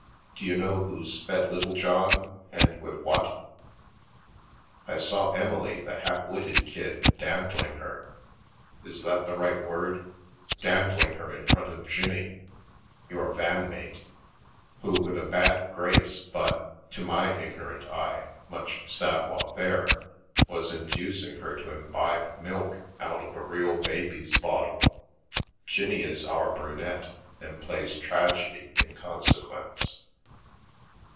D'you know who's fed Lit tlejohn and with what? "" I saw Emily, the half witted kid, dandling her — is that the right word ?— dandling her in front of Jinny, your van mate, who with a bad grace but — to my ignorant eye — much savoir faire, was inducing her to imbibe milk out of a real baby's bottle. Jinny is our brunette, and plays tragedy in consequence.